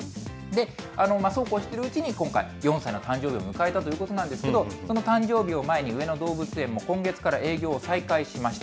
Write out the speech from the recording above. そうこうしてるうちに今回、４歳の誕生日を迎えたということなんですけれども、その誕生日を前に、上野動物園も今月から営業を再開しました。